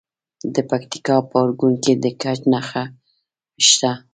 د پکتیکا په ارګون کې د ګچ نښې شته.